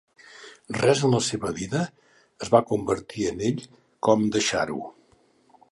Res en la seva vida es va convertir en ell com deixar-ho